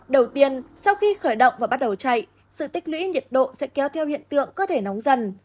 đầu tiên sau khi khởi động và bắt đầu chạy sự tích lũy nhiệt độ sẽ kéo theo hiện tượng cơ thể nóng dần